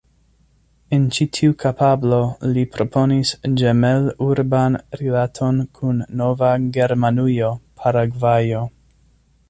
En ĉi tiu kapablo li proponis ĝemel-urban rilaton kun Nova Germanujo, Paragvajo.